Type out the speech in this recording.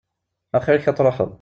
Axir-k ad tṛuḥeḍ.